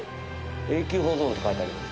永久保存って書いてあります。